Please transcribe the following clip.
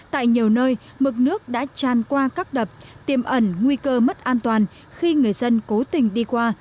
tại nhiều nơi mực nước đã tràn qua các đập tiêm ẩn nguy cơ mất an toàn khi người dân cố tình đi qua